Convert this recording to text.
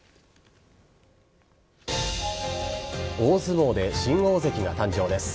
大相撲で新大関が誕生です。